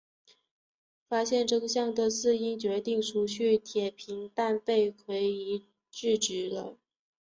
发现真相的诗音决定除去铁平但被圭一制止了。